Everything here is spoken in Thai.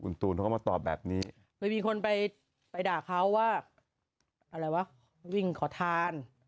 อย่างใหม่วิ่งขอทาน